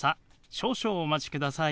少々お待ちください。